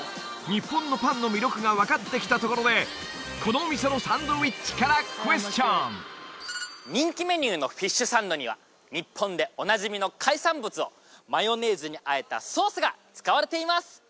日本のパンの魅力が分かってきたところでこのお店のサンドイッチからクエスチョン人気メニューのフィッシュサンドには日本でおなじみの海産物をマヨネーズにあえたソースが使われています